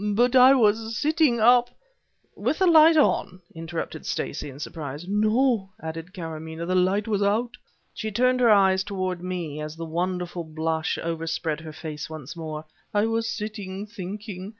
"But I was sitting up " "With the light on?" interrupted Stacey in surprise. "No," added Karamaneh; "the light was out." She turned her eyes toward me, as the wonderful blush overspread her face once more. "I was sitting thinking.